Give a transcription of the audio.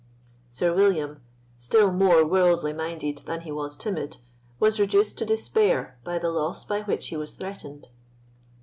Sir William, still more worldly minded than he was timid, was reduced to despair by the loss by which he was threatened.